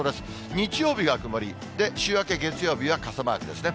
日曜日が曇り、で、週明け月曜日は傘マークですね。